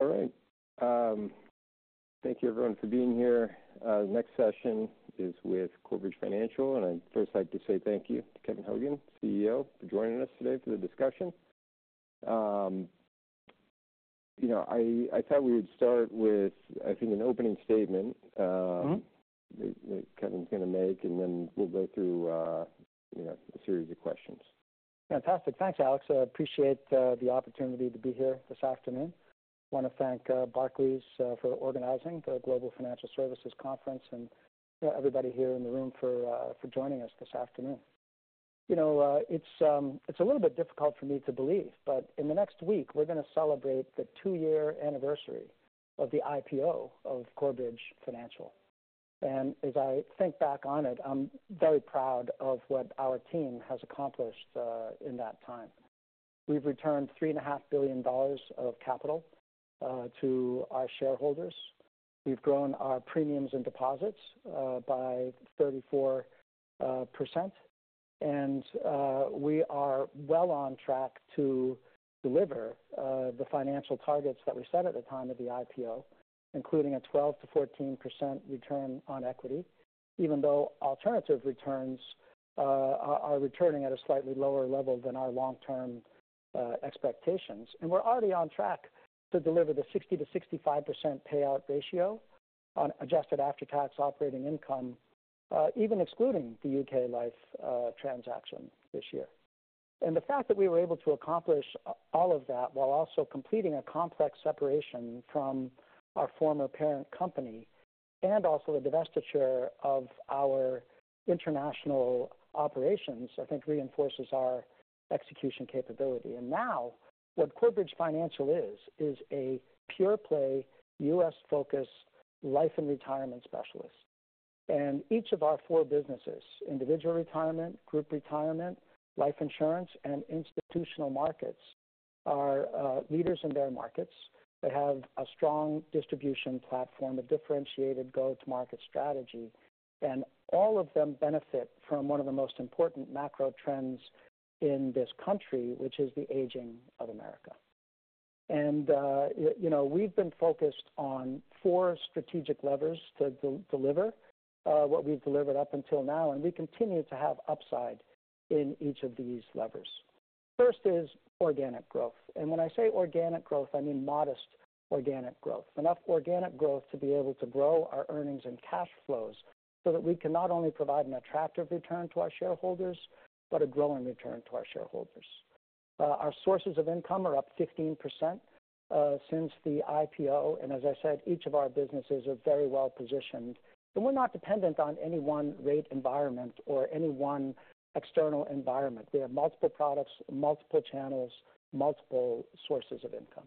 All right. Thank you everyone for being here. The next session is with Corebridge Financial, and I'd first like to say thank you to Kevin Hogan, CEO, for joining us today for the discussion. You know, I thought we would start with, I think, an opening statement. that Kevin's going to make, and then we'll go through, you know, a series of questions. Fantastic. Thanks, Alex. I appreciate the opportunity to be here this afternoon. I want to thank Barclays for organizing the Global Financial Services Conference and everybody here in the room for joining us this afternoon. You know, it's a little bit difficult for me to believe, but in the next week, we're going to celebrate the two-year anniversary of the IPO of Corebridge Financial. And as I think back on it, I'm very proud of what our team has accomplished in that time. We've returned $3.5 billion of capital to our shareholders. We've grown our premiums and deposits by 34%. And we are well on track to deliver the financial targets that we set at the time of the IPO, including a 12%-14% return on equity, even though alternative returns are returning at a slightly lower level than our long-term expectations. And we're already on track to deliver the 60%-65% payout ratio on adjusted after-tax operating income, even excluding the U.K. Life transaction this year. And the fact that we were able to accomplish all of that while also completing a complex separation from our former parent company and also the divestiture of our international operations, I think reinforces our execution capability. And now, what Corebridge Financial is is a pure play, U.S.-focused life and retirement specialist. Each of our four businesses, Individual Retirement, Group Retirement, Life Insurance, and Institutional Markets, are leaders in their markets. They have a strong distribution platform, a differentiated go-to-market strategy, and all of them benefit from one of the most important macro trends in this country, which is the aging of America. You know, we've been focused on four strategic levers to deliver what we've delivered up until now, and we continue to have upside in each of these levers. First is organic growth, and when I say organic growth, I mean modest organic growth. Enough organic growth to be able to grow our earnings and cash flows, so that we can not only provide an attractive return to our shareholders, but a growing return to our shareholders. Our sources of income are up 15% since the IPO, and as I said, each of our businesses are very well positioned, and we're not dependent on any one rate environment or any one external environment. We have multiple products, multiple channels, multiple sources of income.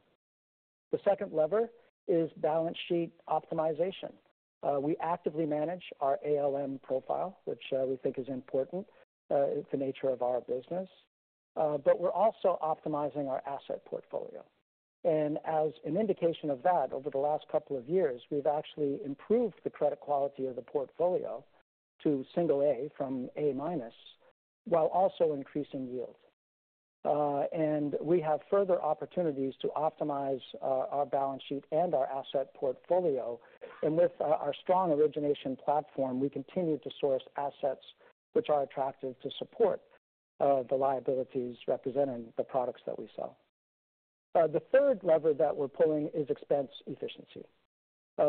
The second lever is balance sheet optimization. We actively manage our ALM profile, which we think is important, the nature of our business. But we're also optimizing our asset portfolio. And as an indication of that, over the last couple of years, we've actually improved the credit quality of the portfolio to single A from A minus, while also increasing yield. And we have further opportunities to optimize our balance sheet and our asset portfolio. With our strong origination platform, we continue to source assets which are attractive to support the liabilities representing the products that we sell. The third lever that we're pulling is expense efficiency.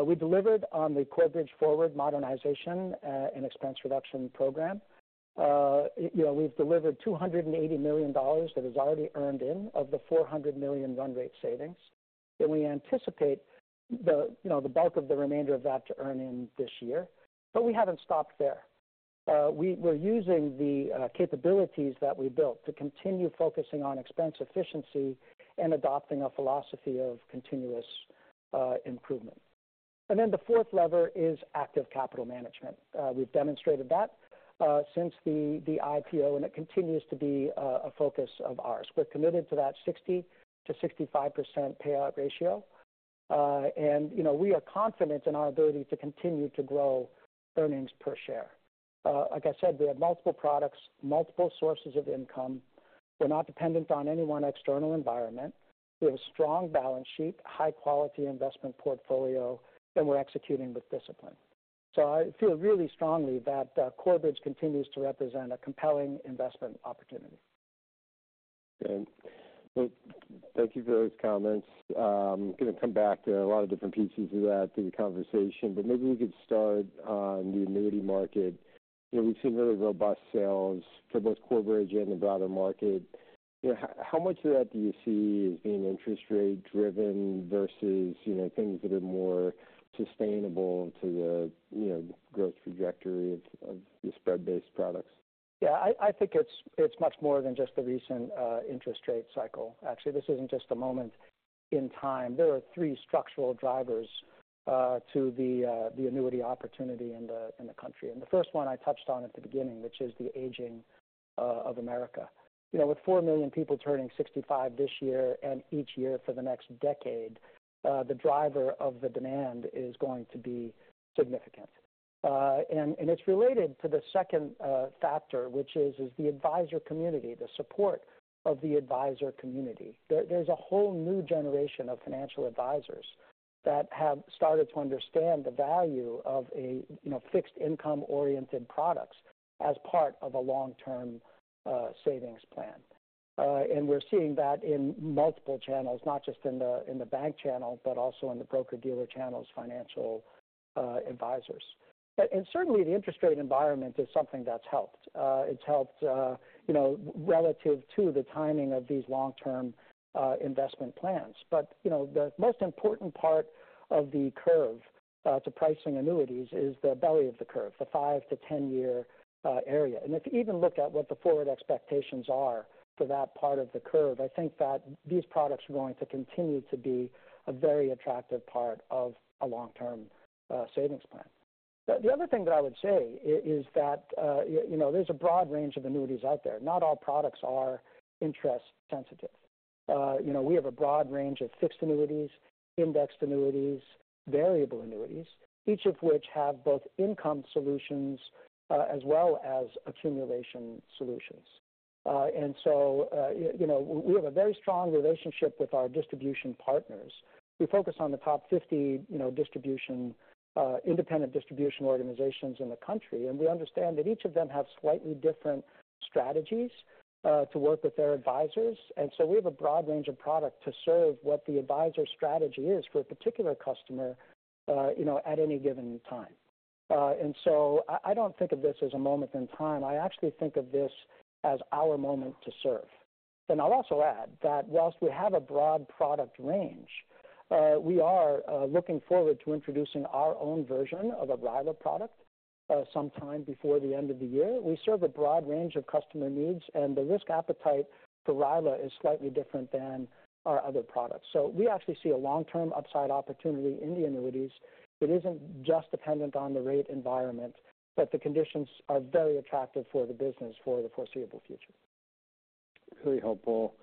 We delivered on the Corebridge Forward modernization and expense reduction program. You know, we've delivered $280 million that is already earned in of the $400 million run rate savings. We anticipate the you know the bulk of the remainder of that to earn in this year. We haven't stopped there. We're using the capabilities that we built to continue focusing on expense efficiency and adopting a philosophy of continuous improvement. The fourth lever is active capital management. We've demonstrated that since the IPO, and it continues to be a focus of ours. We're committed to that 60%-65% payout ratio. And, you know, we are confident in our ability to continue to grow earnings per share. Like I said, we have multiple products, multiple sources of income. We're not dependent on any one external environment. We have a strong balance sheet, high quality investment portfolio, and we're executing with discipline. So I feel really strongly that Corebridge continues to represent a compelling investment opportunity. Okay. Well, thank you for those comments. I'm going to come back to a lot of different pieces of that through the conversation, but maybe we could start on the annuity market. You know, we've seen really robust sales for both Corebridge and the broader market. You know, how much of that do you see as being interest rate driven versus, you know, things that are more sustainable to the, you know, growth trajectory of the spread-based products? Yeah, I think it's much more than just the recent interest rate cycle. Actually, this isn't just a moment in time. There are three structural drivers to the annuity opportunity in the country. The first one I touched on at the beginning, which is the aging of America. You know, with four million people turning sixty-five this year and each year for the next decade, the driver of the demand is going to be significant. And it's related to the second factor, which is the advisor community, the support of the advisor community. There's a whole new generation of financial advisors that have started to understand the value of a, you know, fixed income-oriented products as part of a long-term savings plan. And we're seeing that in multiple channels, not just in the bank channel, but also in the broker-dealer channels, financial advisors. But and certainly, the interest rate environment is something that's helped. It's helped, you know, relative to the timing of these long-term investment plans. But, you know, the most important part of the curve to pricing annuities is the belly of the curve, the five- to 10-year area. And if you even look at what the forward expectations are for that part of the curve, I think that these products are going to continue to be a very attractive part of a long-term savings plan. The other thing that I would say is that, you know, there's a broad range of annuities out there. Not all products are interest sensitive. You know, we have a broad range of fixed annuities, indexed annuities, variable annuities, each of which have both income solutions, as well as accumulation solutions. And so, you know, we have a very strong relationship with our distribution partners. We focus on the top 50, you know, distribution, independent distribution organizations in the country, and we understand that each of them have slightly different strategies, to work with their advisors. And so we have a broad range of product to serve what the advisor strategy is for a particular customer, you know, at any given time. And so I don't think of this as a moment in time. I actually think of this as our moment to serve. I'll also add that while we have a broad product range, we are looking forward to introducing our own version of a RILA product sometime before the end of the year. We serve a broad range of customer needs, and the risk appetite for RILA is slightly different than our other products. We actually see a long-term upside opportunity in the annuities that isn't just dependent on the rate environment, but the conditions are very attractive for the business for the foreseeable future. Very helpful.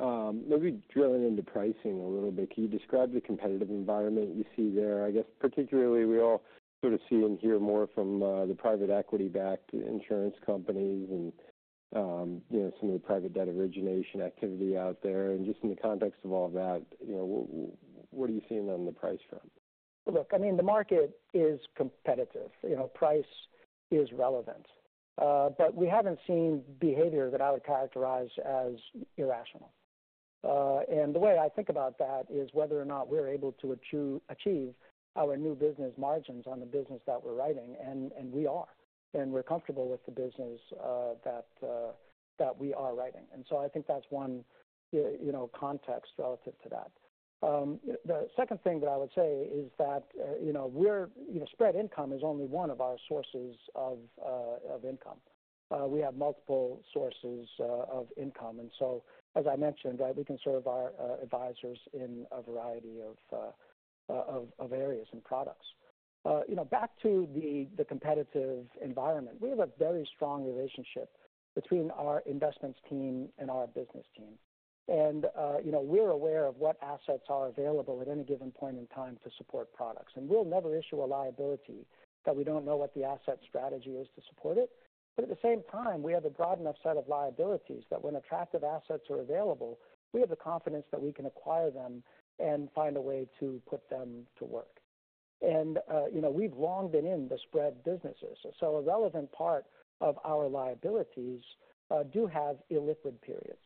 Maybe drilling into pricing a little bit, can you describe the competitive environment you see there? I guess, particularly, we all sort of see and hear more from the private equity-backed insurance companies and, you know, some of the private debt origination activity out there. And just in the context of all that, you know, what are you seeing on the price front? Look, I mean, the market is competitive. You know, price is relevant, but we haven't seen behavior that I would characterize as irrational, and the way I think about that is whether or not we're able to achieve our new business margins on the business that we're writing, and we are, and we're comfortable with the business that we are writing, and so I think that's one, you know, context relative to that. The second thing that I would say is that, you know, spread income is only one of our sources of income. We have multiple sources of income, and so, as I mentioned, right, we can serve our advisors in a variety of areas and products. You know, back to the competitive environment. We have a very strong relationship between our investments team and our business team, and you know, we're aware of what assets are available at any given point in time to support products, and we'll never issue a liability that we don't know what the asset strategy is to support it, but at the same time, we have a broad enough set of liabilities that when attractive assets are available, we have the confidence that we can acquire them and find a way to put them to work, and you know, we've long been in the spread businesses, so a relevant part of our liabilities do have illiquid periods.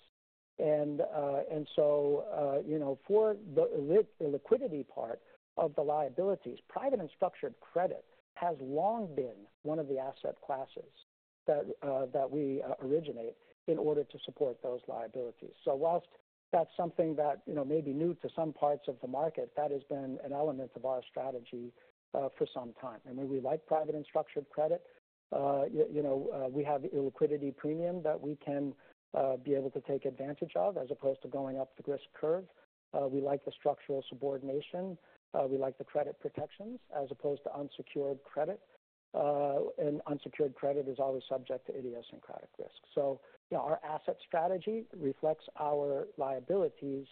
You know, for the liquidity part of the liabilities, private and structured credit has long been one of the asset classes that we originate in order to support those liabilities. While that's something that, you know, may be new to some parts of the market, that has been an element of our strategy for some time. We like private and structured credit. You know, we have illiquidity premium that we can be able to take advantage of as opposed to going up the risk curve. We like the structural subordination. We like the credit protections as opposed to unsecured credit. Unsecured credit is always subject to idiosyncratic risk. You know, our asset strategy reflects our liabilities.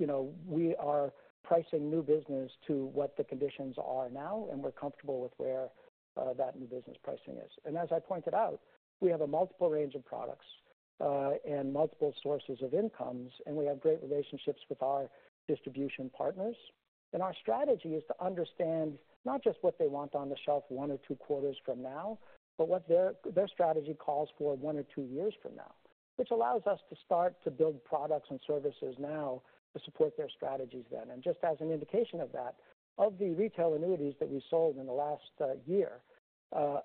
You know, we are pricing new business to what the conditions are now, and we're comfortable with where that new business pricing is. And as I pointed out, we have a multiple range of products, and multiple sources of incomes, and we have great relationships with our distribution partners. And our strategy is to understand not just what they want on the shelf one or two quarters from now, but what their strategy calls for one or two years from now, which allows us to start to build products and services now to support their strategies then. And just as an indication of that, of the retail annuities that we sold in the last year, 30%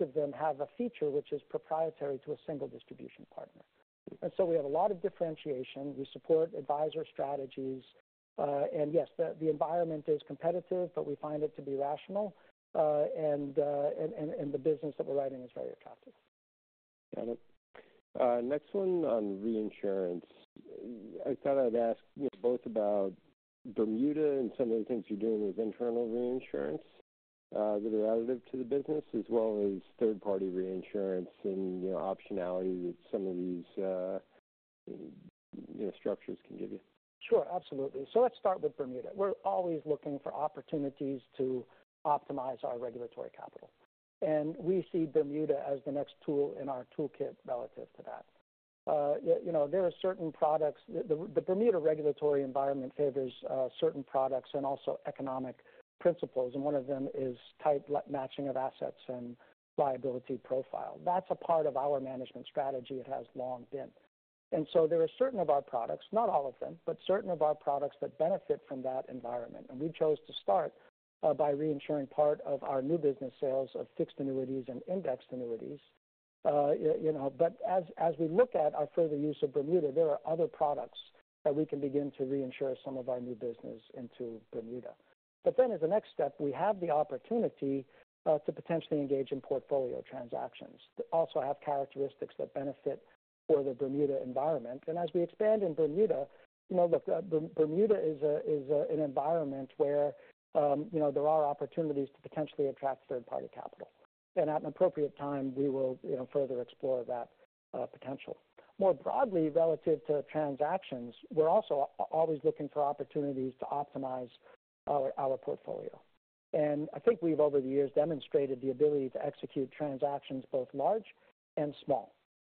of them have a feature which is proprietary to a single distribution partner. And so we have a lot of differentiation. We support advisor strategies. And yes, the environment is competitive, but we find it to be rational. And the business that we're writing is very attractive. Got it. Next one on reinsurance. I thought I'd ask, you know, both about Bermuda and some of the things you're doing with internal reinsurance, that are relative to the business, as well as third-party reinsurance and, you know, optionality with some of these, you know, structures can give you? Sure, absolutely. So let's start with Bermuda. We're always looking for opportunities to optimize our regulatory capital, and we see Bermuda as the next tool in our toolkit relative to that. You know, there are certain products, the Bermuda regulatory environment favors certain products and also economic principles, and one of them is tight matching of assets and liability profile. That's a part of our management strategy. It has long been. And so there are certain of our products, not all of them, but certain of our products that benefit from that environment. And we chose to start by reinsuring part of our new business sales of fixed annuities and indexed annuities. You know, but as we look at our further use of Bermuda, there are other products that we can begin to reinsure some of our new business into Bermuda. But then as a next step, we have the opportunity to potentially engage in portfolio transactions that also have characteristics that benefit for the Bermuda environment. And as we expand in Bermuda, you know, look, Bermuda is an environment where, you know, there are opportunities to potentially attract third-party capital. And at an appropriate time, we will, you know, further explore that potential. More broadly relative to transactions, we're also always looking for opportunities to optimize our portfolio. And I think we've, over the years, demonstrated the ability to execute transactions both large and small.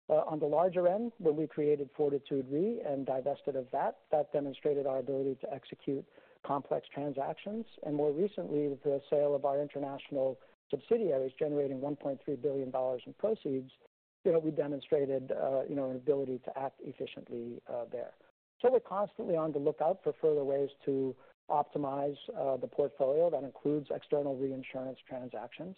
On the larger end, when we created Fortitude Re and divested of that, that demonstrated our ability to execute complex transactions. And more recently, the sale of our international subsidiaries, generating $1.3 billion in proceeds, you know, we demonstrated, you know, an ability to act efficiently, there. So we're constantly on the lookout for further ways to optimize, the portfolio. That includes external reinsurance transactions.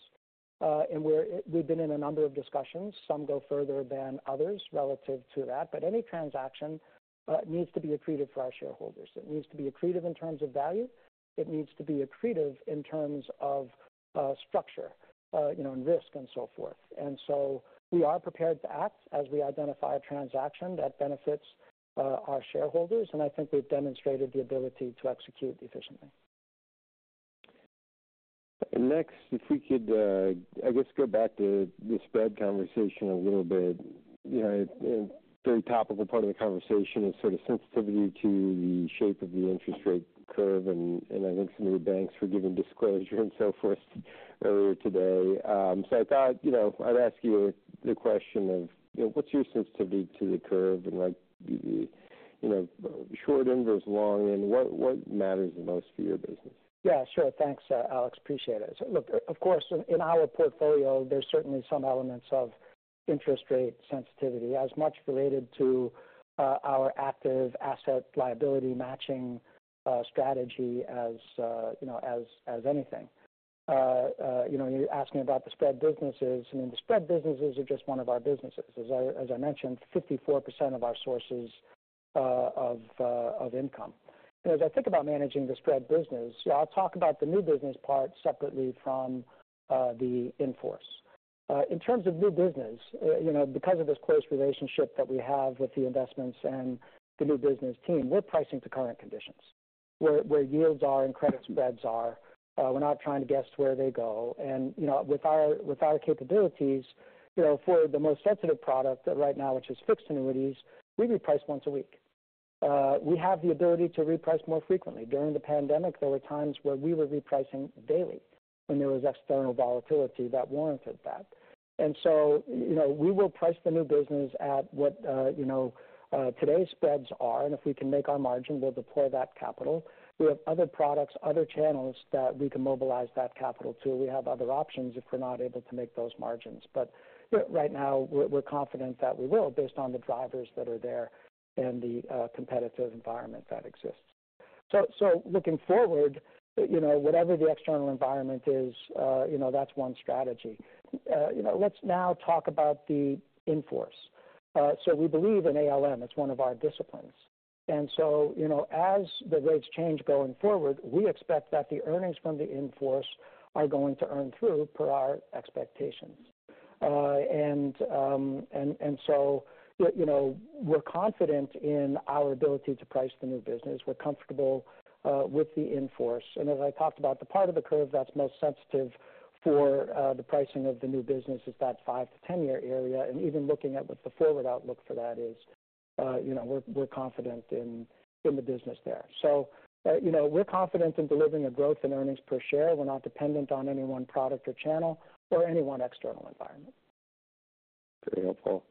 And we've been in a number of discussions. Some go further than others relative to that, but any transaction, needs to be accretive for our shareholders. It needs to be accretive in terms of value. It needs to be accretive in terms of, structure, you know, and risk and so forth. And so we are prepared to act as we identify a transaction that benefits, our shareholders, and I think we've demonstrated the ability to execute efficiently. And next, if we could, I guess, go back to the spread conversation a little bit. You know, a very topical part of the conversation is sort of sensitivity to the shape of the interest rate curve, and I think some of the banks were giving disclosure and so forth earlier today. So I thought, you know, I'd ask you the question of, you know, what's your sensitivity to the curve? And like the, you know, short inverse, long, and what matters the most for your business? Yeah, sure. Thanks, Alex, appreciate it. Look, of course, in our portfolio, there's certainly some elements of interest rate sensitivity as much related to our active asset liability matching strategy as you know as anything. You know, when you're asking about the spread businesses, I mean, the spread businesses are just one of our businesses. As I mentioned, 54% of our sources of income. As I think about managing the spread business, I'll talk about the new business part separately from the in-force. In terms of new business, you know, because of this close relationship that we have with the investments and the new business team, we're pricing to current conditions, where yields are and credit spreads are. We're not trying to guess where they go. You know, with our capabilities, you know, for the most sensitive product right now, which is fixed annuities, we reprice once a week. We have the ability to reprice more frequently. During the pandemic, there were times where we were repricing daily when there was external volatility that warranted that. You know, we will price the new business at what today's spreads are, and if we can make our margin, we'll deploy that capital. We have other products, other channels that we can mobilize that capital to. We have other options if we're not able to make those margins. But right now, we're confident that we will, based on the drivers that are there and the competitive environment that exists. Looking forward, you know, whatever the external environment is, that's one strategy. You know, let's now talk about the in-force. So we believe in ALM. It's one of our disciplines. And so, you know, as the rates change going forward, we expect that the earnings from the in-force are going to earn through per our expectations. And so, you know, we're confident in our ability to price the new business. We're comfortable with the in-force. And as I talked about, the part of the curve that's most sensitive for the pricing of the new business is that five to 10-year area. And even looking at what the forward outlook for that is, you know, we're confident in the business there. So, you know, we're confident in delivering a growth in earnings per share. We're not dependent on any one product or channel or any one external environment. Very helpful.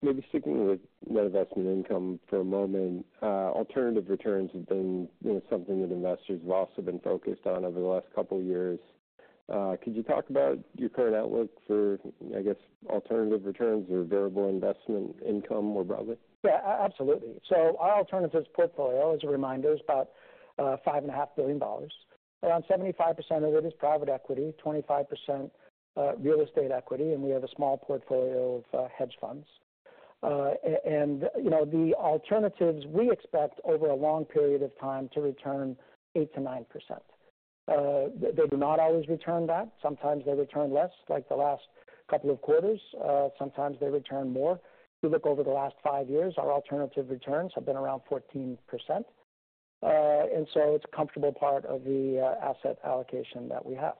Maybe sticking with net investment income for a moment, alternative returns have been, you know, something that investors have also been focused on over the last couple of years. Could you talk about your current outlook for, I guess, alternative returns or variable investment income more broadly? Yeah, absolutely. So our alternatives portfolio, as a reminder, is about $5.5 billion. Around 75% of it is private equity, 25%, real estate equity, and we have a small portfolio of hedge funds. And, you know, the alternatives we expect over a long period of time to return 8%-9%. They do not always return that. Sometimes they return less, like the last couple of quarters. Sometimes they return more. If you look over the last five years, our alternative returns have been around 14%.... and so it's a comfortable part of the asset allocation that we have.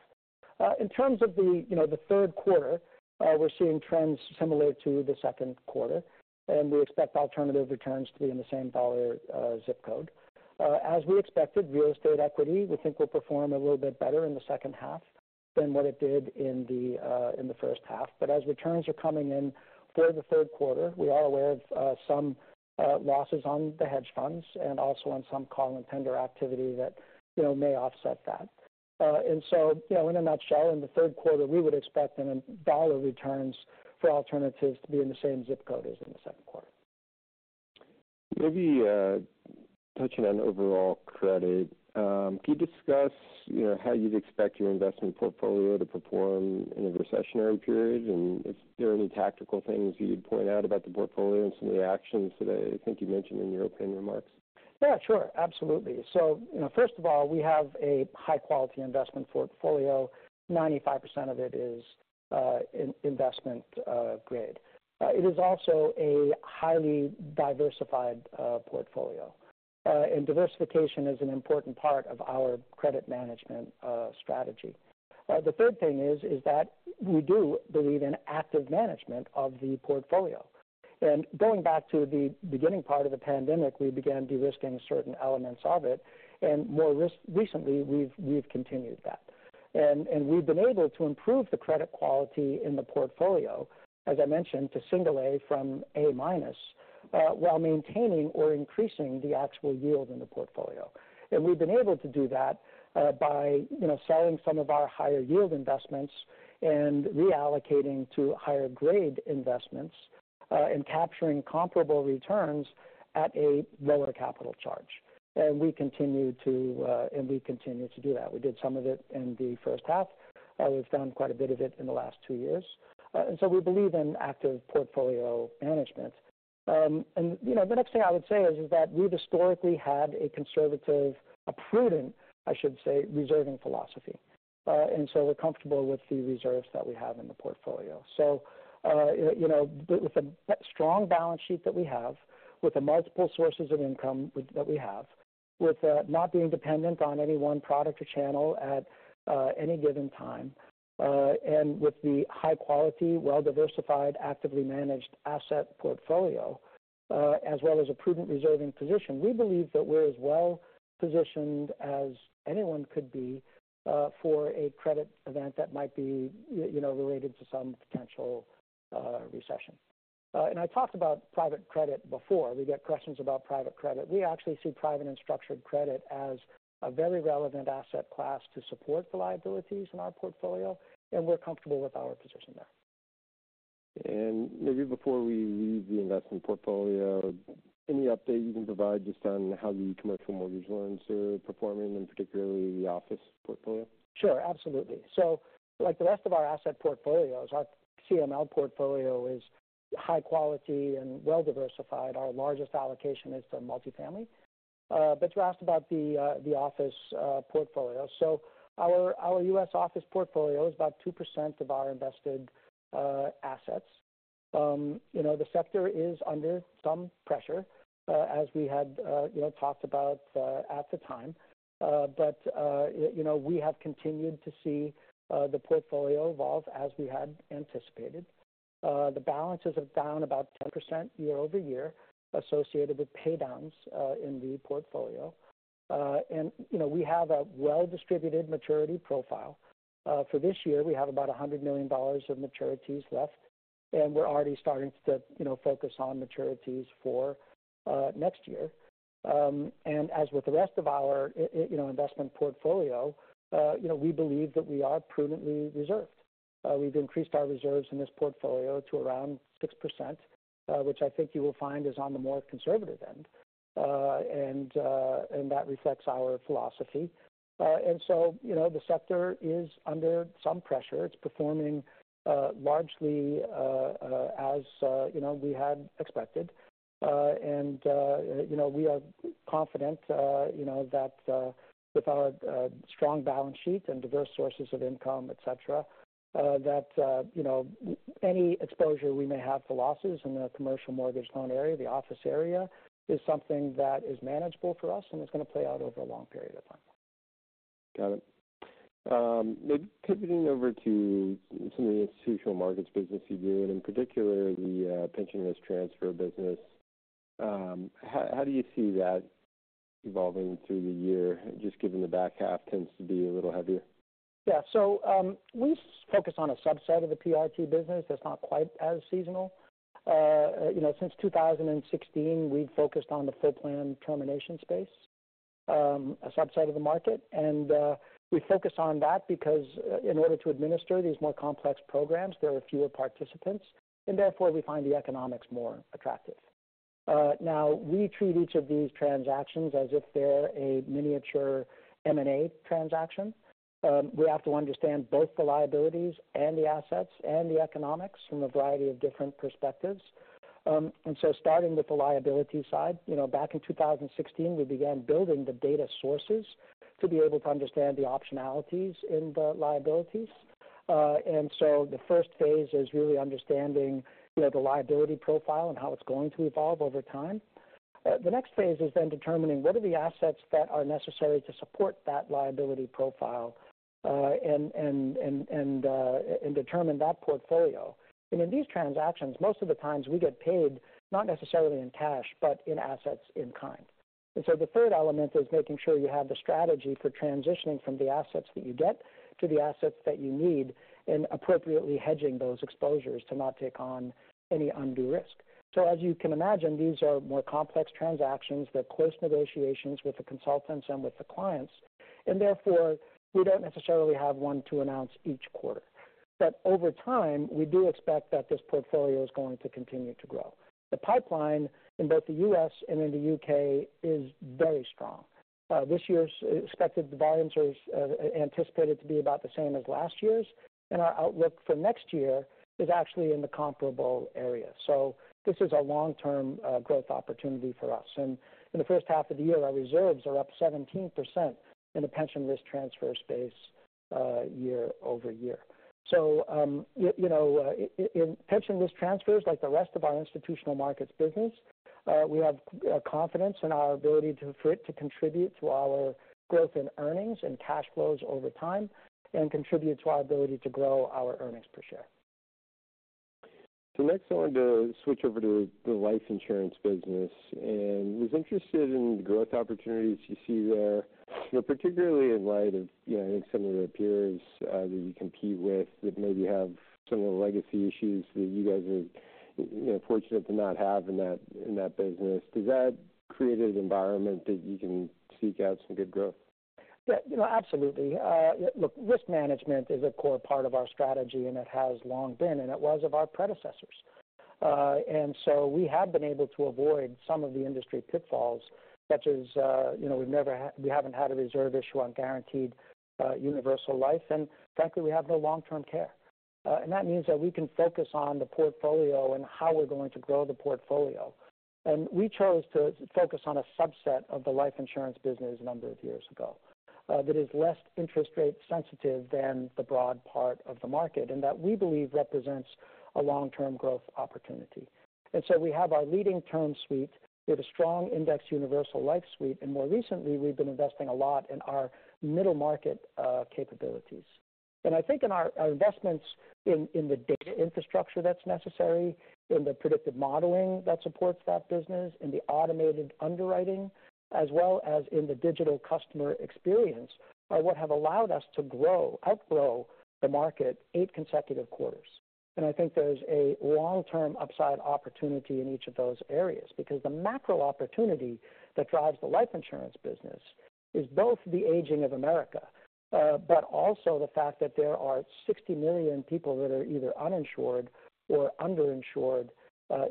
In terms of the, you know, the third quarter, we're seeing trends similar to the second quarter, and we expect alternative returns to be in the same dollar zip code. As we expected, real estate equity, we think, will perform a little bit better in the second half than what it did in the first half. But as returns are coming in for the third quarter, we are aware of some losses on the hedge funds and also on some call and tender activity that, you know, may offset that. And so, you know, in a nutshell, in the third quarter, we would expect the dollar returns for alternatives to be in the same zip code as in the second quarter. Maybe, touching on overall credit, could you discuss, you know, how you'd expect your investment portfolio to perform in a recessionary period? And is there any tactical things you'd point out about the portfolio and some of the actions that I think you mentioned in your opening remarks? Yeah, sure. Absolutely. So, you know, first of all, we have a high-quality investment portfolio. 95% of it is investment grade. It is also a highly diversified portfolio, and diversification is an important part of our credit management strategy. The third thing is that we do believe in active management of the portfolio. And going back to the beginning part of the pandemic, we began de-risking certain elements of it, and more recently, we've continued that. And we've been able to improve the credit quality in the portfolio, as I mentioned, to single A from A minus, while maintaining or increasing the actual yield in the portfolio. We've been able to do that by, you know, selling some of our higher yield investments and reallocating to higher grade investments and capturing comparable returns at a lower capital charge. We continue to do that. We did some of it in the first half. We've done quite a bit of it in the last two years. And so we believe in active portfolio management. And, you know, the next thing I would say is that we've historically had a conservative, a prudent, I should say, reserving philosophy. And so we're comfortable with the reserves that we have in the portfolio. You know, with the strong balance sheet that we have, with the multiple sources of income that we have, with not being dependent on any one product or channel at any given time, and with the high quality, well-diversified, actively managed asset portfolio, as well as a prudent reserving position, we believe that we're as well positioned as anyone could be for a credit event that might be, you know, related to some potential recession. I talked about private credit before. We get questions about private credit. We actually see private and structured credit as a very relevant asset class to support the liabilities in our portfolio, and we're comfortable with our position there. And maybe before we leave the investment portfolio, any update you can provide just on how the commercial mortgage loans are performing, and particularly the office portfolio? Sure, absolutely. So like the rest of our asset portfolios, our CML portfolio is high quality and well diversified. Our largest allocation is to multifamily. But you asked about the office portfolio. So our U.S. office portfolio is about 2% of our invested assets. You know, the sector is under some pressure, as we had you know, talked about at the time. But you know, we have continued to see the portfolio evolve as we had anticipated. The balances are down about 10% year over year, associated with paydowns in the portfolio. And you know, we have a well-distributed maturity profile. For this year, we have about $100 million of maturities left, and we're already starting to you know, focus on maturities for next year. And as with the rest of our investment portfolio, you know, we believe that we are prudently reserved. We've increased our reserves in this portfolio to around 6%, which I think you will find is on the more conservative end, and that reflects our philosophy and so, you know, the sector is under some pressure. It's performing largely as, you know, we had expected and you know, we are confident you know, that with our strong balance sheet and diverse sources of income, et cetera, that you know, any exposure we may have for losses in the commercial mortgage loan area, the office area, is something that is manageable for us, and it's going to play out over a long period of time. Got it. Maybe pivoting over to some of the Institutional Markets business you do, and in particular, the Pension Risk Transfer business. How do you see that evolving through the year, just given the back half tends to be a little heavier? Yeah. We focus on a subset of the PRT business that's not quite as seasonal. You know, since two thousand and sixteen, we've focused on the full plan termination space, a subset of the market, we focus on that because in order to administer these more complex programs, there are fewer participants, and therefore, we find the economics more attractive. Now, we treat each of these transactions as if they're a miniature M&A transaction. We have to understand both the liabilities and the assets and the economics from a variety of different perspectives, and so starting with the liability side, you know, back in two thousand and sixteen, we began building the data sources to be able to understand the optionalities in the liabilities.... And so the first phase is really understanding, you know, the liability profile and how it's going to evolve over time. The next phase is then determining what are the assets that are necessary to support that liability profile, and determine that portfolio. And in these transactions, most of the times we get paid, not necessarily in cash, but in assets in kind. And so the third element is making sure you have the strategy for transitioning from the assets that you get to the assets that you need, and appropriately hedging those exposures to not take on any undue risk. So as you can imagine, these are more complex transactions. They're close negotiations with the consultants and with the clients, and therefore, we don't necessarily have one to announce each quarter. But over time, we do expect that this portfolio is going to continue to grow. The pipeline in both the U.S. and in the U.K. is very strong. This year's expected volumes are anticipated to be about the same as last year's, and our outlook for next year is actually in the comparable area. So this is a long-term growth opportunity for us. And in the first half of the year, our reserves are up 17% in the pension risk transfer space, year over year. So, you know, in pension risk transfers, like the rest of our Institutional Markets business, we have confidence in our ability to for it to contribute to our growth in earnings and cash flows over time and contribute to our ability to grow our earnings per share. So next, I wanted to switch over to the life insurance business, and was interested in the growth opportunities you see there, you know, particularly in light of, you know, I think some of your peers that you compete with, that maybe have some of the legacy issues that you guys are, you know, fortunate to not have in that business. Does that create an environment that you can seek out some good growth? Yeah, you know, absolutely. Look, risk management is a core part of our strategy, and it has long been, and it was of our predecessors. And so we have been able to avoid some of the industry pitfalls, such as, you know, we haven't had a reserve issue on guaranteed universal life, and frankly, we have no long-term care. And that means that we can focus on the portfolio and how we're going to grow the portfolio. And we chose to focus on a subset of the life insurance business a number of years ago, that is less interest rate sensitive than the broad part of the market, and that we believe represents a long-term growth opportunity. We have our leading term suite with a strong indexed universal life suite, and more recently, we've been investing a lot in our middle market capabilities. I think in our investments in the data infrastructure that's necessary, in the predictive modeling that supports that business, in the automated underwriting, as well as in the digital customer experience, are what have allowed us to grow, outgrow the market eight consecutive quarters. I think there's a long-term upside opportunity in each of those areas, because the macro opportunity that drives the life insurance business is both the aging of America, but also the fact that there are 60 million people that are either uninsured or underinsured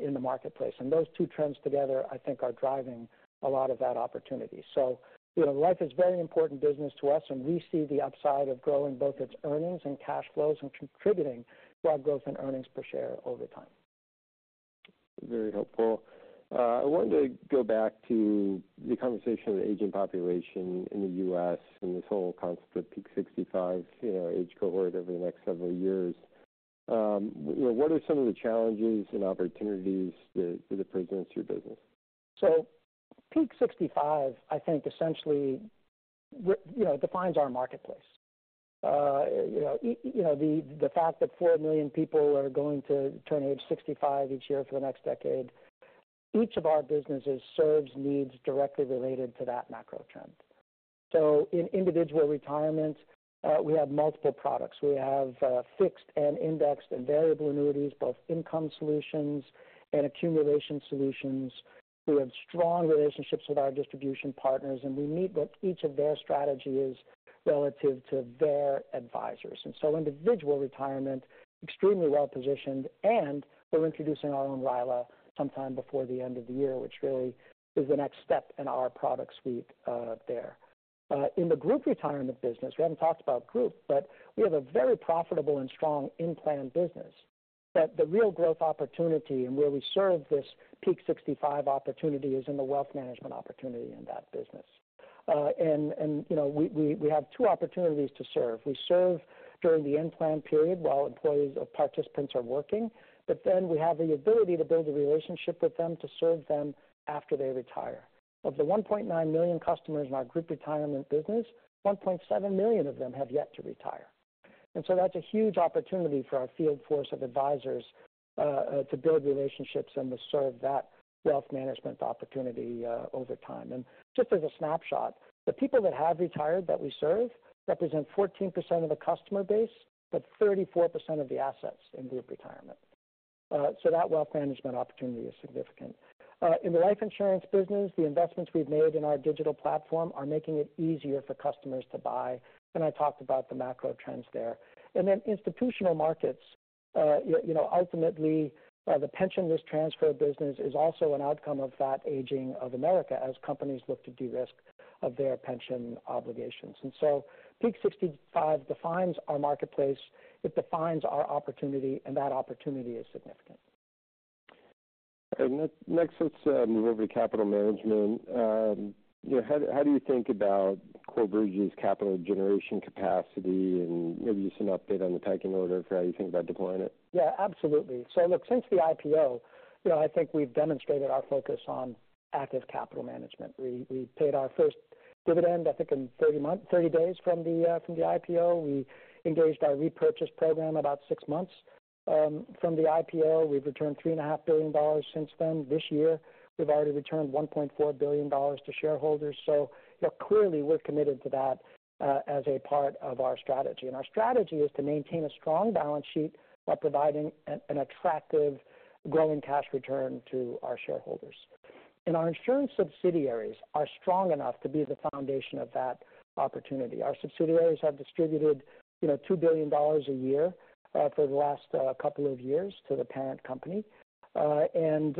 in the marketplace. Those two trends together, I think, are driving a lot of that opportunity. You know, life is a very important business to us, and we see the upside of growing both its earnings and cash flows and contributing to our growth in earnings per share over time. Very helpful. I wanted to go back to the conversation of the aging population in the U.S. and this whole concept of peak 65, you know, age cohort over the next several years. You know, what are some of the challenges and opportunities that it presents to your business? So Peak 65, I think, essentially we, you know, defines our marketplace. You know, the fact that 4 million people are going to turn age 65 each year for the next decade, each of our businesses serves needs directly related to that macro trend. In Individual Retirement, we have multiple products. We have fixed and indexed and variable annuities, both income solutions and accumulation solutions. We have strong relationships with our distribution partners, and we meet what each of their strategy is relative to their advisors. Individual Retirement, extremely well positioned, and we're introducing our own RILA sometime before the end of the year, which really is the next step in our product suite, there. In the Group Retirement business, we haven't talked about group, but we have a very profitable and strong in-plan business, that the real growth opportunity and where we serve this Peak 65 opportunity is in the wealth management opportunity in that business. And, you know, we have two opportunities to serve. We serve during the in-plan period while employees or participants are working, but then we have the ability to build a relationship with them to serve them after they retire. Of the 1.9 million customers in our Group Retirement business, 1.7 million of them have yet to retire. And so that's a huge opportunity for our field force of advisors to build relationships and to serve that wealth management opportunity over time. Just as a snapshot, the people that have retired that we serve represent 14% of the customer base, but 34% of the assets in Group Retirement. So that wealth management opportunity is significant. In the Life Insurance business, the investments we've made in our digital platform are making it easier for customers to buy, and I talked about the macro trends there. Then Institutional Markets, you know, ultimately, the pension risk transfer business is also an outcome of that aging of America as companies look to de-risk their pension obligations. So Peak 65 defines our marketplace, it defines our opportunity, and that opportunity is significant. And next, let's move over to capital management. You know, how do you think about Corebridge's capital generation capacity? And maybe just an update on the priority order for how you think about deploying it. Yeah, absolutely. So look, since the IPO, you know, I think we've demonstrated our focus on active capital management. We paid our first dividend, I think, in thirty days from the IPO. We engaged our repurchase program about six months from the IPO. We've returned $3.5 billion since then. This year, we've already returned $1.4 billion to shareholders. So yeah, clearly, we're committed to that as a part of our strategy. And our strategy is to maintain a strong balance sheet while providing an attractive growing cash return to our shareholders. And our insurance subsidiaries are strong enough to be the foundation of that opportunity. Our subsidiaries have distributed, you know, $2 billion a year for the last couple of years to the parent company. And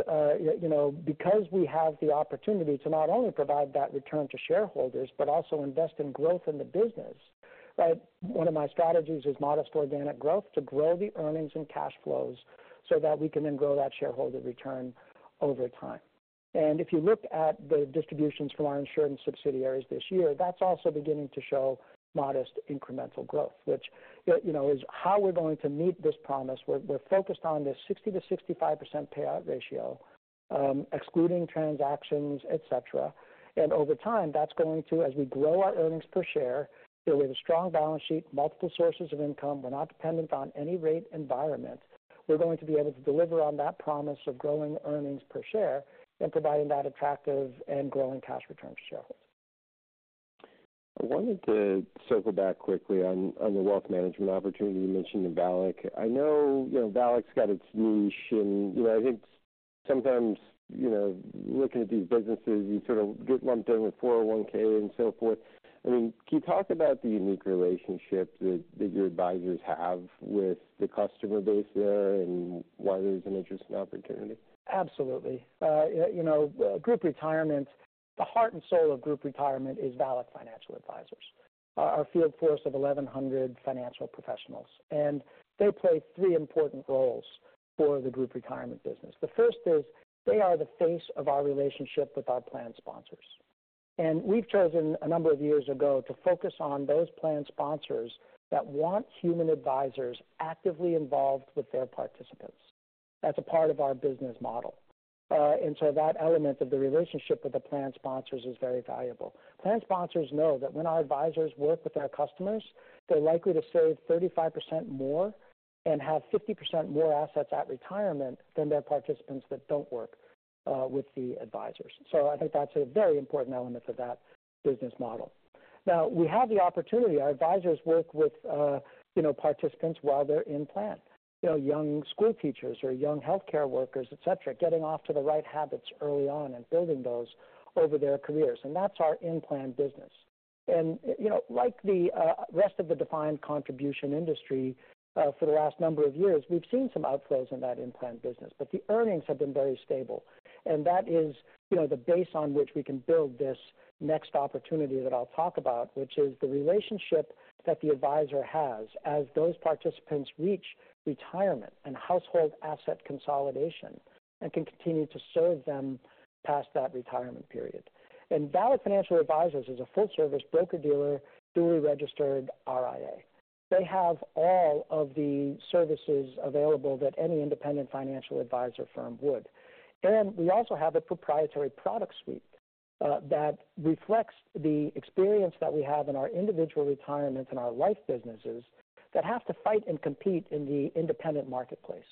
you know, because we have the opportunity to not only provide that return to shareholders, but also invest in growth in the business, right? One of my strategies is modest organic growth, to grow the earnings and cash flows so that we can then grow that shareholder return over time. And if you look at the distributions from our insurance subsidiaries this year, that's also beginning to show modest incremental growth, which you know is how we're going to meet this promise. We're focused on this 60%-65% payout ratio, excluding transactions, et cetera. Over time, that's going to, as we grow our earnings per share, so with a strong balance sheet, multiple sources of income, we're not dependent on any rate environment, we're going to be able to deliver on that promise of growing earnings per share and providing that attractive and growing cash return to shareholders. I wanted to circle back quickly on the wealth management opportunity you mentioned in VALIC. I know, you know, VALIC's got its niche, and, you know, I think sometimes, you know, looking at these businesses, you sort of get lumped in with 401(k) and so forth. I mean, can you talk about the unique relationship that your advisors have with the customer base there, and why there's an interesting opportunity? Absolutely. You know, Group Retirement, the heart and soul of Group Retirement is VALIC Financial Advisors, our field force of 1,100 financial professionals, and they play three important roles for the Group Retirement business. The first is they are the face of our relationship with our plan sponsors. We've chosen, a number of years ago, to focus on those plan sponsors that want human advisors actively involved with their participants. That's a part of our business model. And so that element of the relationship with the plan sponsors is very valuable. Plan sponsors know that when our advisors work with our customers, they're likely to save 35% more and have 50% more assets at retirement than their participants that don't work with the advisors. So I think that's a very important element of that business model. Now, we have the opportunity, our advisors work with, you know, participants while they're in plan. You know, young school teachers or young healthcare workers, et cetera, getting off to the right habits early on and building those over their careers, and that's our in-plan business. And, you know, like the, rest of the defined contribution industry, for the last number of years, we've seen some outflows in that in-plan business, but the earnings have been very stable. And that is, you know, the base on which we can build this next opportunity that I'll talk about, which is the relationship that the advisor has as those participants reach retirement and household asset consolidation, and can continue to serve them past that retirement period. And VALIC Financial Advisors is a full-service broker-dealer, duly registered RIA. They have all of the services available that any independent financial advisor firm would, and we also have a proprietary product suite that reflects the experience that we have in our Individual Retirements and our life businesses that have to fight and compete in the independent marketplace.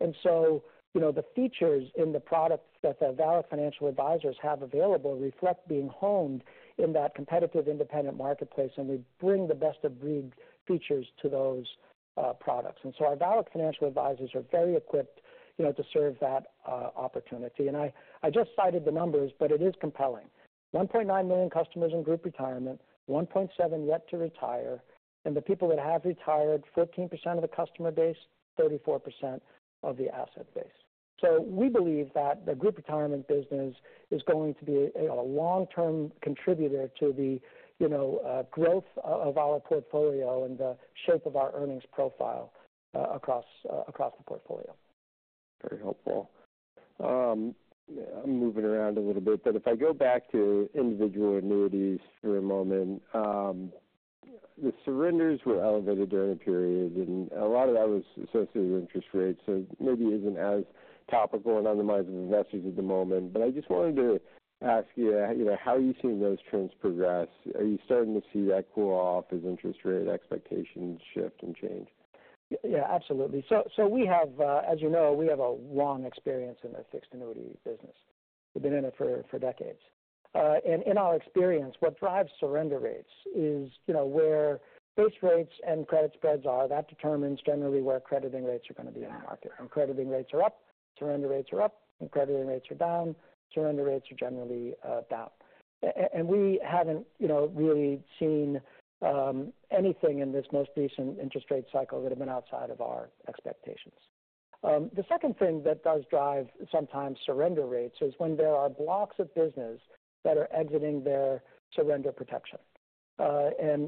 And so, you know, the features in the products that the VALIC Financial Advisors have available reflect being honed in that competitive, independent marketplace, and we bring the best of breed features to those products. And so our VALIC Financial Advisors are very equipped, you know, to serve that opportunity. And I just cited the numbers, but it is compelling. 1.9 million customers in Group Retirement, 1.7 yet to retire, and the people that have retired, 15% of the customer base, 34% of the asset base. So we believe that the Group Retirement business is going to be a long-term contributor to the, you know, growth of our portfolio and the shape of our earnings profile across the portfolio. Very helpful. I'm moving around a little bit, but if I go back to individual annuities for a moment, the surrenders were elevated during the period, and a lot of that was associated with interest rates, so maybe isn't as topical and on the minds of investors at the moment. But I just wanted to ask you, you know, how are you seeing those trends progress? Are you starting to see that cool off as interest rate expectations shift and change? Yeah, absolutely. So we have, as you know, we have a long experience in the fixed annuity business. We've been in it for decades. And in our experience, what drives surrender rates is, you know, where base rates and credit spreads are. That determines generally where crediting rates are going to be in the market. When crediting rates are up, surrender rates are up. When crediting rates are down, surrender rates are generally down. And we haven't, you know, really seen anything in this most recent interest rate cycle that have been outside of our expectations. The second thing that does drive sometimes surrender rates is when there are blocks of business that are exiting their surrender protection....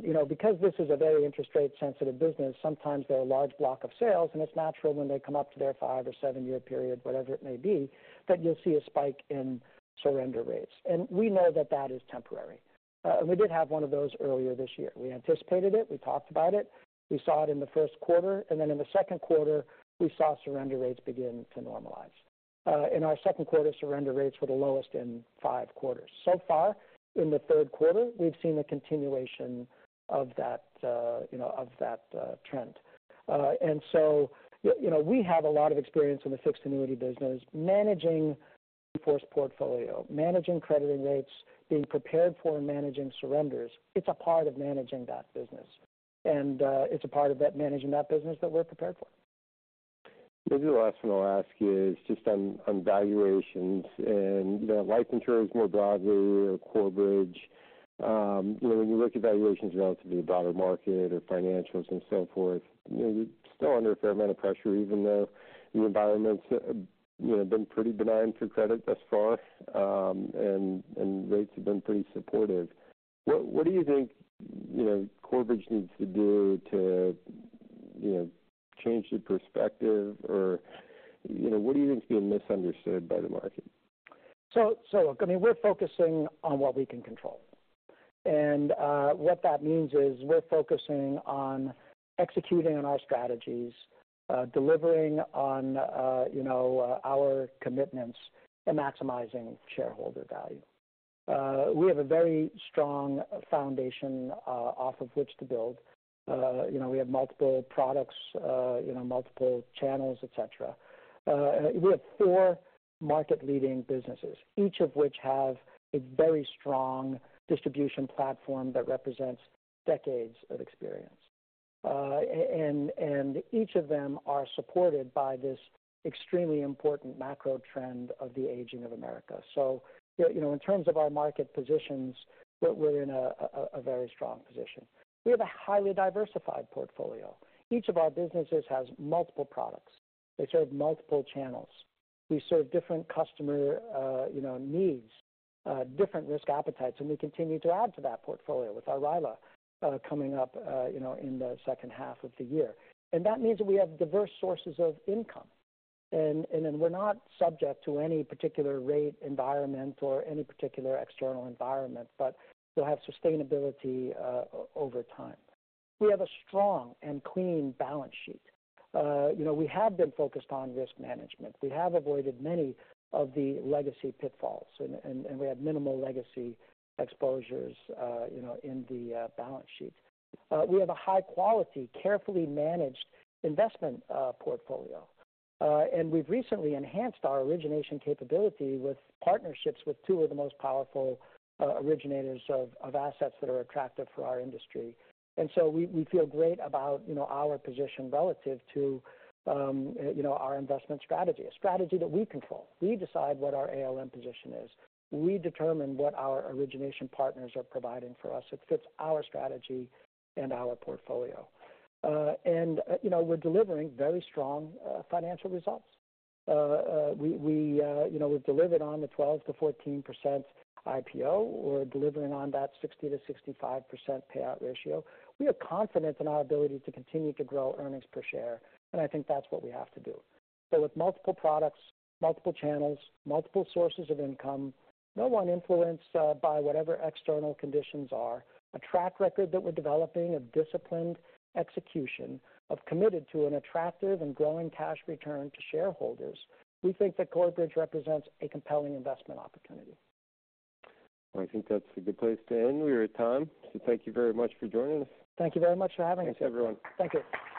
You know, because this is a very interest rate sensitive business, sometimes there are a large block of sales, and it's natural when they come up to their five- or seven-year period, whatever it may be, that you'll see a spike in surrender rates. We know that that is temporary. We did have one of those earlier this year. We anticipated it. We talked about it. We saw it in the first quarter, and then in the second quarter, we saw surrender rates begin to normalize. In our second quarter, surrender rates were the lowest in five quarters. So far in the third quarter, we've seen a continuation of that, you know, of that trend. And so you know, we have a lot of experience in the fixed annuity business, managing fixed portfolio, managing crediting rates, being prepared for and managing surrenders. It's a part of managing that business, and it's a part of that managing that business that we're prepared for. Maybe the last thing I'll ask you is just on valuations and, you know, life insurance more broadly, or Corebridge. When you look at valuations relative to the broader market or financials and so forth, you know, you're still under a fair amount of pressure, even though the environment's, you know, been pretty benign for credit thus far, and rates have been pretty supportive. What do you think, you know, Corebridge needs to do to, you know, change the perspective? Or, you know, what do you think is being misunderstood by the market? So, look, I mean, we're focusing on what we can control. And what that means is we're focusing on executing on our strategies, delivering on, you know, our commitments to maximizing shareholder value. We have a very strong foundation, off of which to build. You know, we have multiple products, you know, multiple channels, et cetera. We have four market-leading businesses, each of which have a very strong distribution platform that represents decades of experience. And each of them are supported by this extremely important macro trend of the aging of America. So, you know, in terms of our market positions, we're in a very strong position. We have a highly diversified portfolio. Each of our businesses has multiple products. They serve multiple channels. We serve different customer, you know, needs, different risk appetites, and we continue to add to that portfolio with our RILA, coming up, you know, in the second half of the year, and that means that we have diverse sources of income, and then we're not subject to any particular rate environment or any particular external environment, but we'll have sustainability, over time. We have a strong and clean balance sheet. You know, we have been focused on risk management. We have avoided many of the legacy pitfalls, and we have minimal legacy exposures, you know, in the balance sheet. We have a high quality, carefully managed investment portfolio, and we've recently enhanced our origination capability with partnerships with two of the most powerful originators of assets that are attractive for our industry. So we feel great about, you know, our position relative to, you know, our investment strategy, a strategy that we control. We decide what our ALM position is. We determine what our origination partners are providing for us. It fits our strategy and our portfolio. And, you know, we're delivering very strong financial results. We, you know, we've delivered on the 12%-14% IPO. We're delivering on that 60%-65% payout ratio. We are confident in our ability to continue to grow earnings per share, and I think that's what we have to do. With multiple products, multiple channels, multiple sources of income, no one influenced by whatever external conditions are, a track record that we're developing, a disciplined execution of committed to an attractive and growing cash return to shareholders. We think that Corebridge represents a compelling investment opportunity. I think that's a good place to end. We are at time, so thank you very much for joining us. Thank you very much for having us. Thanks, everyone. Thank you.